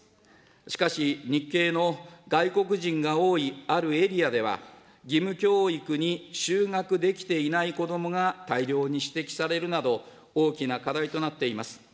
しかし、日系の外国人が多いあるエリアでは、義務教育に就学できていない子どもが大量に指摘されるなど、大きな課題となっています。